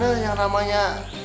nah yang namanya